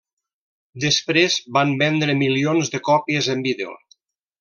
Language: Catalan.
Després van vendre milions de còpies en vídeo.